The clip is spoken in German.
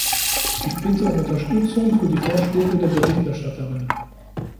Ich bitte um Unterstützung für die Vorschläge der Berichterstatterin.